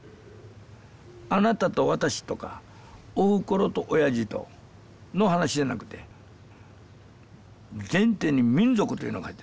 あなたと私とかおふくろとおやじとの話じゃなくて前提に民族というのが入ってるわけ。